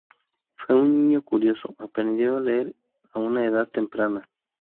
Fue un niño curioso, aprendió a leer a una edad temprana.